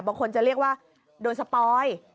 บางคนจะเรียกว่าโดยสปอย